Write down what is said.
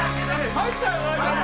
入ったよな？